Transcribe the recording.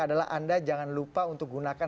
adalah anda jangan lupa untuk gunakan